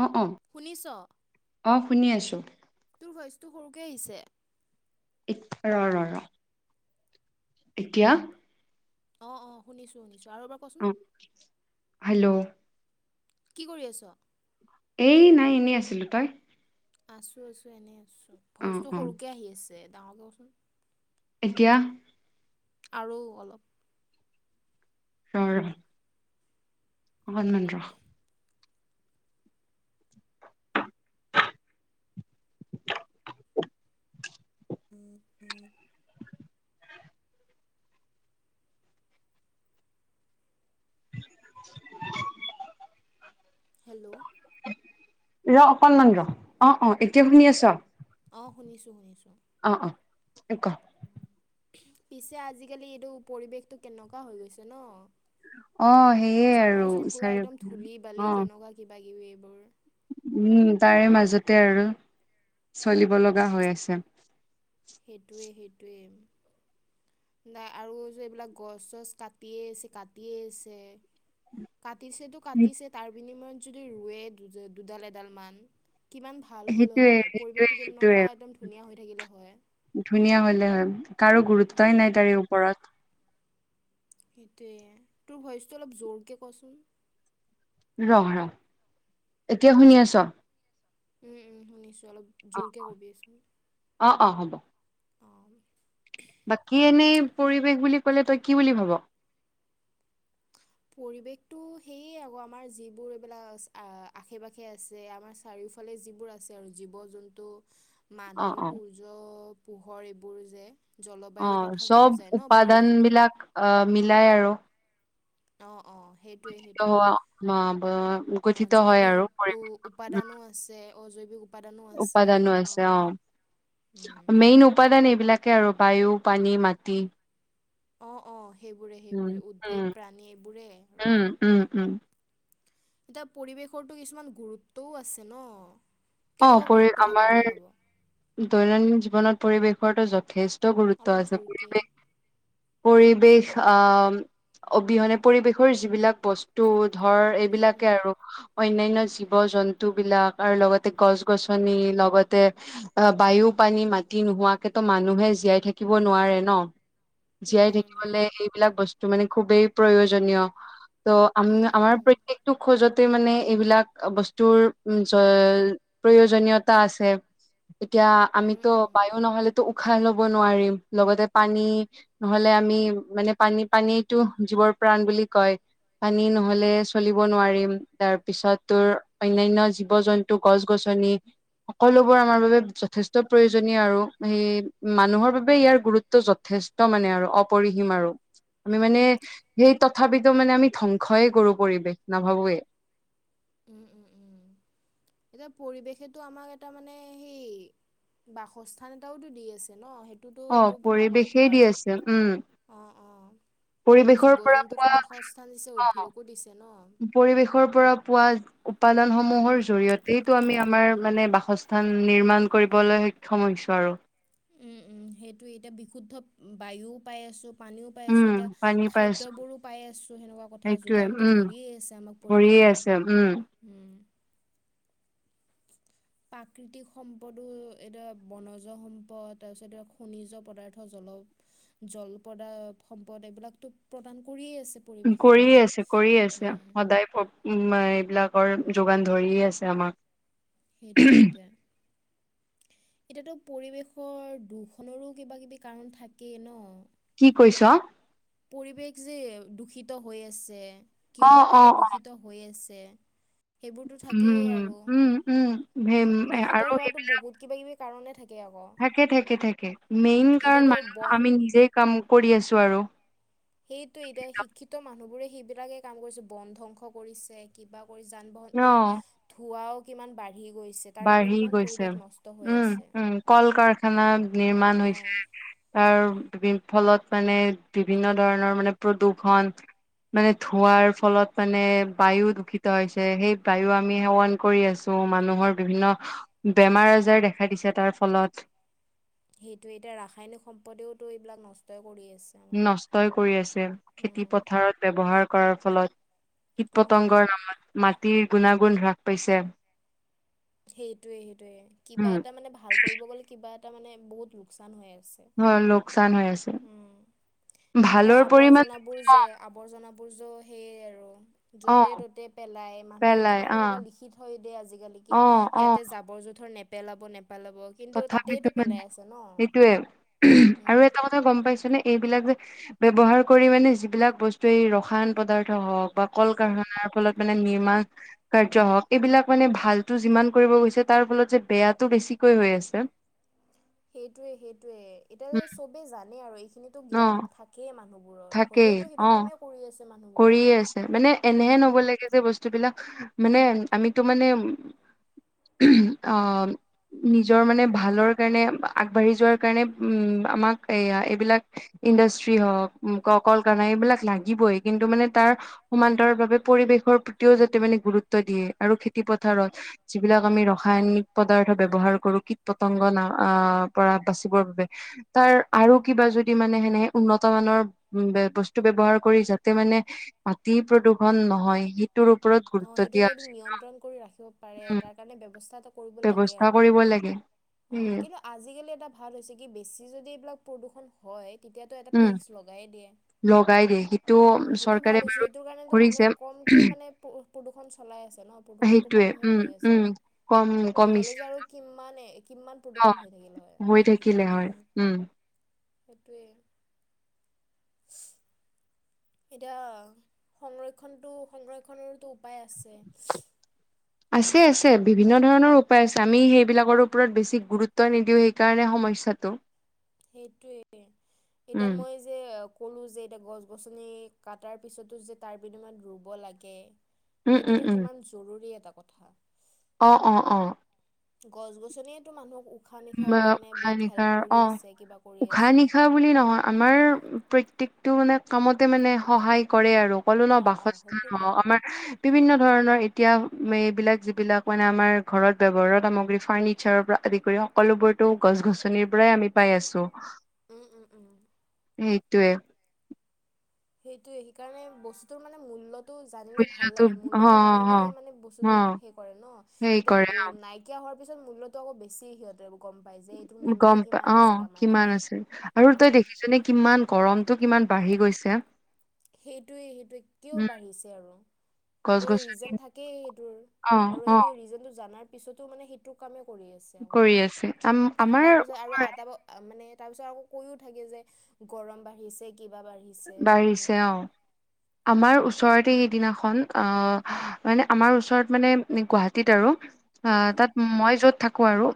অ', অ', শুনিছ, অ শুনি আছো তোৰ ভইচটো সৰুকে আহিছে। ৰহ-ৰহ-ৰহ। এতিয়া অ', অ', শুনিছো-শুনিছো আৰু কচোন অ, হেল্ল', কি কৰি আছ? এই নাই এনেই আছিলোঁ তই? আছোঁ আছো এনেই আছোঁ, অ ভইচটো অ সৰুকে আহি আছে ডাঙৰ কৰ চোন। এতিয়া, আৰু অলপ, ৰ, ৰহ অকনমান ৰহ হম হম [unintelligible] [unintelligible] হেল্ল'। ৰ অকনমান ৰ, অ' অ' এতিয়া শুনি আছ? অ' শুনিছোঁ শুনিছোঁ। অ' অ' ক - পিছে আজিকালি এইটো পৰিৱেশটো কেনেকুৱা হৈ গৈছে ন? অ সেয়ে আৰু জানয়ে চোন পুৰা চাৰি একদম অ ধূলি-বালি কেনেকুৱা কিবা-কিবি এইবোৰ উম' তাৰে মাজতে আৰু চলিব লগা হৈ আছে। সেইটোৱে -সেইটোৱে। নাই আৰু যে এইবিলাক গছ-চছ কাটিয়েই আছে কাটিয়ে আছে কাটিছেটো- সেই- কাটিছে তাৰ বিনিময়ত যদি ৰোৱে দুডাল এডাল মান কিমান ভা ল হ'লেও সেইটোয়ে হয়, সেইটোয়ে পৰিৱেশটো সেইটোয়ে কেনেকুৱা একদম ধুনীয়া হৈ থাকিলে হয় ধুনীয়া হ'লে হয়, কাৰো গুৰুত্বয়ে উম, নাই তাৰে ওপৰত সেইটোৱে তোৰ ভইচটো অলপ জোৰকে কচোন। ৰহ, ৰহ, এতিয়া শুনি আছ? উম' উম' শুনিছো অলপ, জোৰকে কবিচোন। অঁ অঁ হ'ব। অঁ। বাকী এনেই পৰিৱেশ বুলি কলে তই কি বুলি ভাব? পৰিৱেশটো সেয়ে আকৌ আমাৰ যিবোৰ এইবিলাক আশে-পাশে আছে আমাৰ চাৰিওফালে যিবোৰ আছে আৰু জীৱ-জন্তু অ মানুহ, অ সূৰ্য, পোহৰ এইবোৰ যে জলবায়ুৰ অহ' কথাকে চব বুজায় ন উপাদান পৰিৱেশটো বিলাক আহ মিলাই আৰু, অঁ অঁ হোৱা [unintelligible] বোৰৰ অহ' জৈৱিক উ -উপাদানো আছে, অজৈৱিক উপ উপাদানো আছে, উপাদানো সেনেকুৱা আছে অ কথা। উম'। মেইন উপাদান এইবিলাকে আৰু বায়ু, পানী, মাটি অ অ সেইবোৰে- উম সেইবোৰে উম উদ্ভিদ, প্ৰাণী এইবোৰেই আৰু উম উম উম এতিয়া পৰিৱেশৰটো কিছুমান গুৰুত্বও আছে ন? অ কেনেকুৱা পৰি গুৰুত্ব থকা আমাৰ বুলি ভাব? দৈনন্দিন জীৱনত পৰিৱেশৰো যথেষ্ট অলপ গুৰুত্ব আছে জোৰকে পৰিৱেশ- পৰিৱেশ আ অবিহনে পৰিৱেশৰ যিবিলাক বস্তু টো ধৰ উম, উম, এইবিলাকে আৰু অন্যান্য জীৱ -জন্তু বিলাক আৰু লগতে তে গছ -গছনি লগতে অ বায়ু, পানী, মাটি, নোহোৱাকেতো মানুহে জীয়াই থাকিব নোৱাৰে ন? জীয়াই নোৱাৰে নোৱাৰে থাকিবলে এইবিলাক বস্তু মানে খুবেই প্ৰয়োজনীয়। ত' আম উম, উম, আমাৰ উম, প্ৰত্যেকটো খোজতে মানে এইবিলাক বস্তুৰ জ প্ৰয়োজনীয়তা আছে এতিয়া উম, আমিতো উম, বায়ু নহলেতো উশাহ ল'ব নোৱাৰিম লগতে পানী নহলে আমি মানে পানী- পানীটো জীৱৰ প্ৰাণ বুলি কয়। পানী নহলে চলিব নোৱাৰিম, তাৰ পিছত তোৰ অন্যান্য জীৱ -জন্তুক গছ-গছনি সকলোবোৰ আমাৰ বাবে যথেষ্ট প্ৰয়োজনীয় আৰু সেই মানুহৰ বাবে ইয়াৰ গুৰুত্ব যথেষ্ট। মানে আৰু অপৰিহীম আৰু। আমি মানে সেই তথাপিতো মানে আমি ধ্বংসয়ে কৰোঁ পৰিৱেশ নাভাবোয়ে। উম উম উম এতিয়া পৰিৱেশেতো আমাক এটা মানে সেই বাসস্থান এটাওতো দি আছে ন সেই এইটোতো অ এইটো ভাল কথা পৰিৱেশেই দি আৰু আছে উম অঁ অঁ। পৰিৱেশৰ জীৱ পৰা -জন্তুকো পোৱা বাসস্থান দিছে অ উদ্ভিদকো দিছে ন। পৰিৱেশৰ পৰা পোৱা উৎপাদান সমূহৰ জৰিয়তেটো আমি আমাৰ মানে বাসস্থান নিৰ্মাণ কৰিবলৈ। সমস্যা আৰু উম উম সেইটোৱে এতিয়া বিশুদ্ধ বায়ুও পাই আছো, পানীও পাই আছোঁ, উম, এতিয়া পানী পাইছো খাদ্যবোৰো পাই আছোঁ সেনেকুৱা কথা সেইটোয়ে যোগানটো উম, ধৰিয়ে আছে আমাক কৰিয়ে পৰিৱেশে। আছে উম। উম [unintelligible] প্ৰাকৃতিক সম্পদো এতিয়া বনজ সম্পদ তাৰপিছত এতিয়া খনিজ পদাৰ্থ জল। জলপদা সম্পদ এইবিলাক টো প্ৰদান কৰিয়ে আছে। পৰিৱেশে কৰিয়ে আমাক। আছে কৰিয়ে আছে উম সদায়। উ এইবিলাকৰ যোগান ধৰিয়ে আছে আমাক। সেইটোৱে এতিয়া। এতিয়াতো পৰিৱেশৰ দূষনৰো কিবা কিবি কাৰণ থাকেই ন। কি কৈছ। পৰিৱেশ যে দূষিত হৈ আছে কিহৰ অ', কাৰণে অ', অ'। দূষিত হৈ আছে? সেইবোৰতো থাকেই উম, আৰু উম, উম, সেই দূষিত আৰু সেই হোৱা বহুত কিবা কিবি কাৰনে থাকে। আকৌ থাকে থাকে থাকে মেইন উম, কাৰণ এতিয়াতো মানুহ বন আমি নিজে কাম কৰি আছো আৰু সেইটো এতিয়া শিক্ষিত মানুহ বোৰে সেইবিলাকে কাম কৰিছে বন ধ্বংস কৰিছে কিবা পৰি যান অ'। বাহনটোৰ ধোঁৱাও কিমান বাঢ়ি গৈছে তাৰ কাৰণে বাঢ়ি কিমান গৈছে। পৰিৱেশ নষ্ট হৈ উম, আছে উম, কল কাৰখানা নিৰ্মাণ অঁ হৈছে। তাৰ বি ফলত মানে বিভিন্ন ধৰণৰ মানে প্ৰদূষন। মানে ধুৱাৰ ফলত মানে বায়ু দূষিত হৈছে সেই বায়ু আমি সেৱন কৰি আছোঁ। ত' মানুহৰ বিভিন্ন বেমাৰ আজাৰ দেখা দিছে তাৰ ফলত। সেইটো এতিয়া ৰাসায়নিক সম্পদেতো এইবিলাক নষ্টই কৰি আছে। আমাৰ নষ্টই কৰি আছে খেতি উম, পথাৰত ব্যৱহাৰ কৰাৰ ফলত। কীট অঁ পতংগৰ নামত মাটিৰ গুণাগুণ হ্ৰাস পাইছে। সেইটোৱে সেইটোৱে কিবা উম, এটা মানে ভাল কৰিব গ'লে কিবা এটা মানে বহুত লোকচান হৈ আছে। হয় লোকচান হৈ আছে। উম এতিয়া ভালৰ পৰিমাণ আৱৰ্জনাবোৰ অ', যে আৱৰ্জনাবোৰ য সেইয়ে আৰু য'তে অ', ত'তে পেলাই মানুহে পেলাই কিমান অ', এনেকুৱা লিখি থৈ দিয়ে আজিকালি কি অ', অ'। ইয়াতে জাবৰ জোঁথৰ নেপ নেপেলাব নেপেলাব কিন্তু তথাপিতো তাতেইতটো মানে পেলাই আছে ন, সেইটোয়ে উম আৰু এটা গম পাইছ নে এইবিলাক যে ব্যৱহাৰ কৰি মানে যিবিলাক বস্তু এই ৰসায়ন পদাৰ্থ হওঁক বা কল কাৰখানাৰ ফলত নিৰ্মাণকাৰ্য হক এইবিলাক মানে ভালটো যিমান কৰিব গৈছে তাৰ ফলত যে বেয়াটো বেছি কৈ হৈ আছে সেইটোয়ে সেইটোয়ে এতিয়া যে উম চবেই জানে আৰু এইখিনিতো অ জ্ঞান থাক কেই মানুহবোৰৰ থাকেই হ'লেওতো সেইটো অ কামেই কৰি আছে মানুহ কৰিয়ে আছে মানে এনেহে হব লাগে যে বস্তু বিলাক মানে আমিতো মানে অ নিজৰ মানে ভালৰ কাৰণে আগবাঢ়ি যোৱাৰ কাৰণে উম আমাক এয়া এইবিলাক ইণ্ডাষ্ট্ৰি হওক কলকাৰণা এইবিলাক লাগিবই কিন্তু মানে তাৰ সমান্তৰাল বাবে পৰিৱেশৰ প্ৰতিও যাতে মানে গুৰুত্ব দিয়ে আৰু খেতিপথাৰত যিবিলাক আমি ৰাসায়নিক পদাৰ্থ ব্যৱহাৰ কৰো কীট পতংগৰ না আ পৰা বাচিবৰ বাবে তাৰ আৰু কিবা যদি মানে এনেহেন উন্নত মানৰ বে বস্তু ব্যৱহাৰ কৰিছে যা তে মানে মাটি প্ৰদূষণ নহয় সি তোৰ ওপৰত অ গুৰুত্ব সেইটো দিয়া যদি উচিত নিয়ন্ত্ৰণ কৰি ৰাখিব পাৰে উম তাৰ কাৰণে ব্যৱস্থাটো কৰি ব্যৱস্থা কৰিব লাগে অ উম, কিন্তু আজিকালি এটা ভাল হৈছে কি বেছি যদি এইবিলাক প্ৰদূষণ হয় তেতিয়াতো এটা উম, টেক্স লগাইয়ে দিয়ে লগাই দিয়ে সেইটো অ সেইটো ভাল চৰকাৰে হৈছে, বাৰু সেইটো কাৰণেতো কৰিছে মানুহে কমকে মানে প্ৰ প্ৰদূষণ চলাই আছে ন প্ৰদূষণটো কম সেইটোৱে হে উম, হৈ আছে উম, আৰু কম নহ'লে কমিছে যে আৰু কিমানে কিমান প্ৰদূষণ ন' হৈ থাকিল হৈ থাকিলে হয়। হয় উম। সেইটোৱে [unintelligible] এতিয়া সংৰক্ষণটো সংৰক্ষণৰতো উপায় আছে। আছে আছে বিভিন্ন ধৰণৰ উপায় আছে আমি সেইবিলাকৰ ওপৰত বেছি গুৰুত্ব নিদিওঁ সে সেই কাৰণে সমস্যাটো সেইটোৱে এতিয়া উম, মই যে ক'লো যে এতিয়া গছ-গছনি কাটাৰ পিছতো যে তাৰ বিনিময়ত ৰুব লাগে উম, উম, সেইটোতো উম, কিমান জৰুৰী এটা কথা অ অ অ গছ-গছনিয়েতো মানুহক উম, উশাহ-নিশাহৰ কাৰণে উশাহ বহুত হেল্প কৰি আছে কিবা কৰি আছে। হে বুলি নহয় আমাৰ প্ৰত্যেকটো মানে কামতে মানে সহায় কৰে আৰু কলো ন অঁ অঁ সেইটো বাসস্থান হ কৰে আমাৰ বিভিন্ন ধৰণৰ এতিয়া এইবিলাক যিবিলাক মানে আমাৰ ঘৰত ব্যৱহাৰৰ সামগ্ৰী ফাৰ্ণিচাৰৰ পৰা। আদি কৰি সকলোবোৰতো গছ গছনিৰ পৰাই আমি পাই আছো। উম উম উম। সেইটোৱে সেইটোয়ে সেইকাৰণে বস্তুটোৰ মানে মূল্য টো জানিলে ভাল বুজিলো লাগে অ মূল্যটো অ জানিলেহে মানে অ বস্তুটো সেই কৰে ন সেই এতিয়া কৰে ব নাই কীয়া হোৱাৰ পিছত মূল্যটো আক বেছি সিহঁতে গম পাই যে এইটোৰ মূল্যটো গম পা কিমান অ আছিল আমাৰ তাত কিমান আছে আৰু তই অঁ দেখিছ নে কিমান গৰমটো কিমান বাঢ়ি গৈছে। সেইটোৱে সেইটোৱে কিয় উম বাঢ়িছে আৰু গছ সেইটো গছনি ৰিজন থাকেই সেইটোৰ অ আৰু অ সেইটো ৰিজনটো জানাৰ পিছতো মানে সেইটোক কামে কৰি আছে আকৌ। কৰি আছে আম আমাৰ ত আৰু ওচৰে আটা ব মানে তাৰ পিছত আকৌ কৈও থাকে যে গৰম বাঢ়িছে কিবা বাঢ়িছে। বাঢ়িছে সেনেকুৱা অ। আমাৰ ওচৰতে সেইদিনাখন আ মানে আমাৰ ওচৰত মানে গুৱাহাটীত আৰু আ উম উম তাত মই যত থাকো আৰু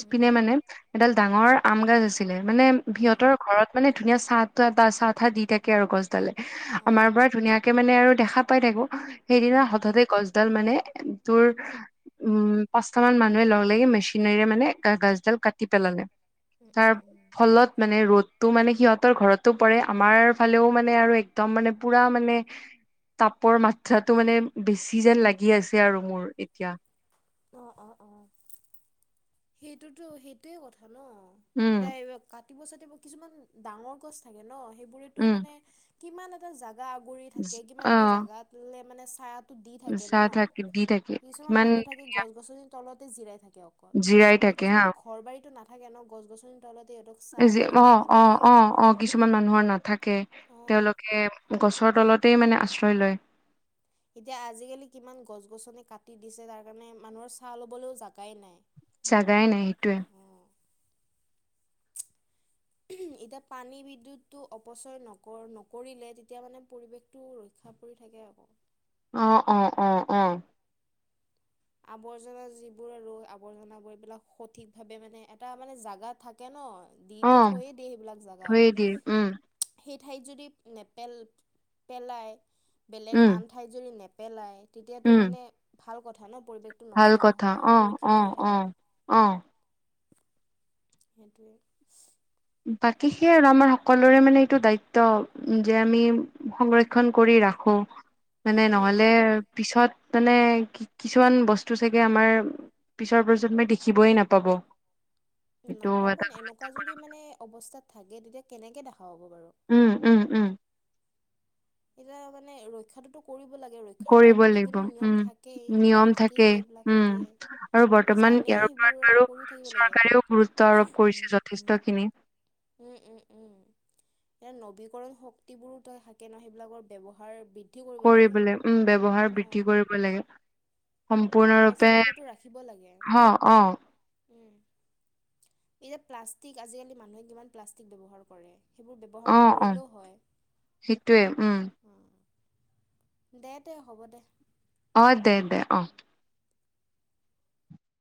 উম উম উম মানে এডাল ডাঙৰ আম গাজ আছিলে মানে সিহঁতৰ ঘৰত মানে ধুনীয়া চাহ ত চাহ তাহ দি দি থাকে আৰু গছডালে অঁ আমাৰ অঁ পৰা ধুনীয়াকে মানে আৰু দেখা পাই থাকো সেইদিনা উম হঠাতেই গছ ডাল মানে তোৰ উম পাঁচটা মান মানুহে লগ লাগি মেচিনেৰে মানে গা গাছডাল কাটি পেলালে। উম তাৰ উম উম ফলত মানে ৰ'দটো মানে সিহঁতৰ ঘৰতো পৰে আমাৰ ফালেও মানে আৰু একদম মানে পুৰা মানে তাপৰ মাত্ৰাটো মানে বেছি যেন লাগি আছে আৰু মোৰ এতিয়া। অ অ অ সেইটোতো সেইটোয়ে কথা ন উম, এতিয়া এ কাটিব চাটিব কিছুমান ডাঙৰ গছ থাকে ন সেইবোৰেতো উম, মানে কিমান এটা জেগা আগুৰি থাকে, কিমান এটা অ', জেগাতৈ মানে ছাইাত- দি থাকে ন, চাহ থাকি দি থাকে কিছুমান কিমান মানুহ থাকে গছ গছনি তলতে জিৰাই থাকে অ। কন, জিৰাই হেই থাকে হা কিছুমান ঘৰ বাৰীটো নাথাকে ন গছ গছনিৰ তলতে এইটো - ইজি অঁ অঁ অঁ অঁ। কিছুমান মানুহৰ নাথাকে অ তেওঁলোকে গছৰ তলতেই মানে আশ্ৰয় লয়। এতিয়া আজিকালি কিমান গছ গছনি কাটি দিছে তাৰ কাৰণে মানুহৰ চাহ ল'বলৈও জাগাই নাই। জাগাই নাই সেইটোৱে। অ এতিয়া পানী বিদ্যুৎটো অপচয় নক নকৰিলে তেতিয়া মানে পৰিৱেশ। টো ৰক্ষা পৰি থাকে আকৌ। অঁ অঁ অঁ অঁ। আৱৰ্জনা যিবোৰ ৰোগ আৱৰ্জনাবোৰ এইবিলাক সঠিক ভাৱে মানে এটা মানে জেগা থাকে ন। দি তো অ', থইয়ে দিয়ে সেইবিলাক জেগা। থৈয়ে দিয়ে উম, হেই ঠাইত যদি নেপেল নেপেলাই বেলেগ উম, আন ঠাইত। থাইত যদি নেপেলাই, তেতিয়াটো উম, মানে ভাল কথা ন পৰিৱেশ- ভাল নষ্ট কথা নহয় অ', সুৰক্ষিত অ', হৈ থাকে। অ', অ', সেইটোৱে। বাকী সেয়া আৰু আমাৰ সকলোৰে মানে এইটো দায়িত্ব যে আমি সংৰক্ষণ কৰি ৰাখোঁ। [inaudible] মানে নহ'লে উম উম পিছত মানে কি কিছুমান বস্তু চাগে আমাৰ। পিছৰ পিছত মই দেখিবই নাপাব। সেইটো নাপাব এটা এনেকুৱা যদি মানে অৱস্থাত থাকে তেতিয়া কেনেকে দেখা পাব বাৰু। উম উম উম। এতিয়া মানে ৰক্ষাটোতো। কৰিব লাগে ৰক্ষা কৰিব কৰাতো লাগিব বিভিন্ন নিয়ম উম থাকেই উপায় নিয়ম থাকেই এইবিলাক উম আৰু থাকেই। বৰ্তমান জানেই ইয়াৰ ওপৰত সেইবোৰ আৰু বাৰু কৰি থাকিব চৰকাৰেও গুৰুত্ব লাগে আৰোপ কৰিছে উম যথেষ্ট হুম। খিনি উম উম উম। এ নবীকৰণ শক্তিবোৰো তই থাকে নহয় সেইবিলাকৰ ব্যৱহাৰ বৃদ্ধি- কৰিব লাগে, উম ব্যৱহাৰ বৃদ্ধি অঁ কৰিব লাগে। সম্পূৰ্ণৰূপে সজাগতাটো ৰাখিব লাগে অঁ অঁ। উম, এতিয়া প্লাষ্টিক আজিকালি মানুহে কিমান প্লাষ্টিক ব্যৱহাৰ কৰে। সেইবোৰ অ ব্যৱহাৰ অ নকৰিলেও হয়। সেইটোয়ে উম দে দে হ'ব দে। অঁ দে দে অঁ।